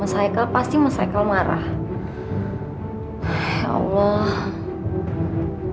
aku udah makan di luar kok